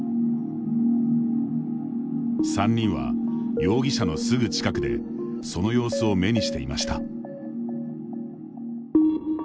３人は、容疑者のすぐ近くでその様子を目にしていました。